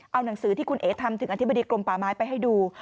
เอาหนังสือที่คุณเอ๋ทำถึงอธิบดีกรมป่าไม้ไปให้ดู